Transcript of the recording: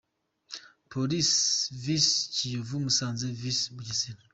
Police vs Kiyovu Musanze vs Bugesera.